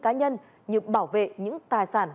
cá nhân như bảo vệ những tài sản